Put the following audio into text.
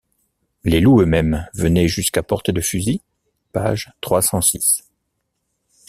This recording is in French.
Les loups eux-mêmes venaient jusqu’à portée de fusil… page trois cent six.